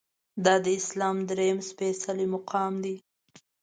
دا د اسلام درېیم سپیڅلی مقام دی.